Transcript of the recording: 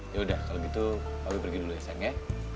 yaudah kalau gitu abis pergi dulu ya sayang ya